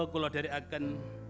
kuloh dari agen